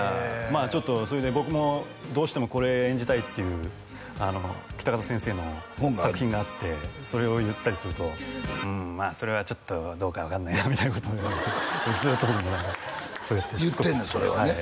まあちょっとそれで僕もどうしてもこれ演じたいっていう北方先生の作品があってそれを言ったりすると「うんそれはちょっとどうか分かんないな」みたいなずっと僕もそうやってしつこく言ってんねんそれをね